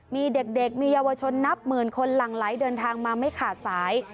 มีเด็กมีเยาวชนนับหมื่นคนหลั่งไหลเดินทางมาไม่ขาดสาย